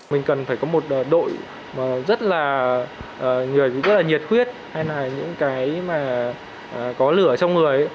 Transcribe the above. mình cần phải có một đội rất là người rất là nhiệt huyết hay là những cái mà có lửa trong người ấy